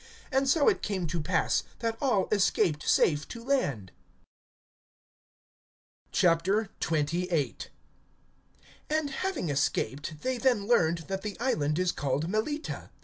And so it came to pass, that all escaped safe to land. XXVIII. AND having escaped, they then learned that the island is called Melita.